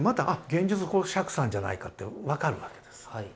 現実こう釈さんじゃないかって分かるわけです。